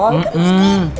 gak harus kikik